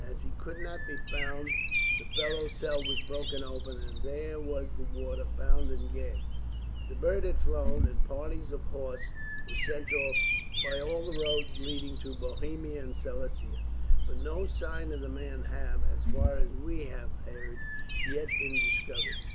As he could not be found, the fellow's cell was broken open, and there was the warder, bound and gagged. The bird had flown, and parties of horse were sent off by all the roads leading to Bohemia and Silesia, but no signs of the man have, as far as we have heard, yet been discovered.